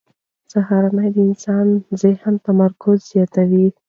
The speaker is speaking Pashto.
سهارنۍ د انسان ذهني تمرکز زیاتوي.